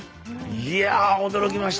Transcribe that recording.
いや驚きました。